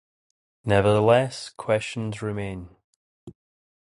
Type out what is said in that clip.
Nevertheless, questions remain.